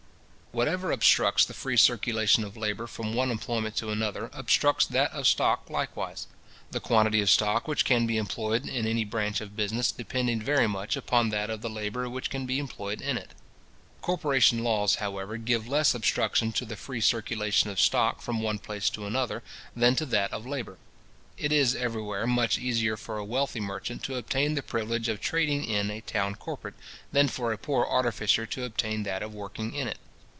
Whatever obstructs the free circulation of labour from one employment to another, obstructs that of stock likewise; the quantity of stock which can be employed in any branch of business depending very much upon that of the labour which can be employed in it. Corporation laws, however, give less obstruction to the free circulation of stock from one place to another, than to that of labour. It is everywhere much easier for a wealthy merchant to obtain the privilege of trading in a town corporate, than for a poor artificer to obtain that of working in it.